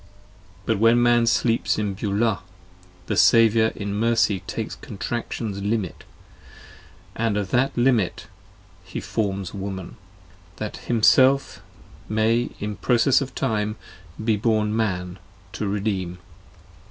But when Man sleeps in Beulah, the Saviour in Mercy takes Contraction's Limit, and of the Limit he forms Woman; That Himself may in process of time be born Man to redeem.